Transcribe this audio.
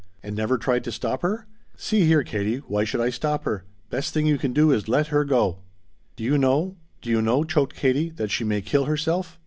"And never tried to stop her?" "See here, Katie. Why should I stop her? Best thing you can do is let her go." "Do you know do you know," choked Katie "that she may kill herself?"